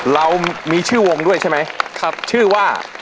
เรามีชื่อวงด้วยใช่ไหมชื่อว่า